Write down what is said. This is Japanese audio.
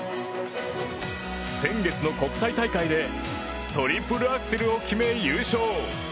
先月の国際大会でトリプルアクセルを決め優勝。